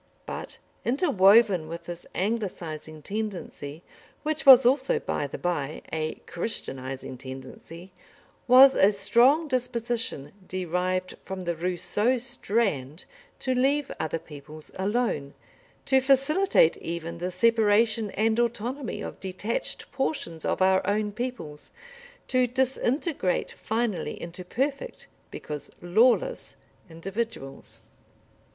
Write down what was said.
But interwoven with this anglicising tendency, which was also, by the bye, a Christianising tendency, was a strong disposition, derived from the Rousseau strand, to leave other peoples alone, to facilitate even the separation and autonomy of detached portions of our own peoples, to disintegrate finally into perfect, because lawless, individuals.